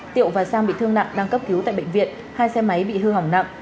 tiểu và sang bị thương nặng đang cấp cứu tại bệnh viện hai xe máy bị hư hỏng nặng